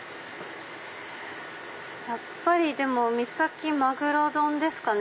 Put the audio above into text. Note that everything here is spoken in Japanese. やっぱり三崎まぐろ丼ですかね。